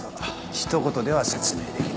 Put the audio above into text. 一言では説明できない。